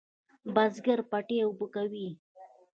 بزگر پټی اوبه کوي.